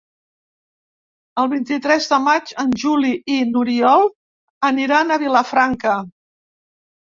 El vint-i-tres de maig en Juli i n'Oriol aniran a Vilafranca.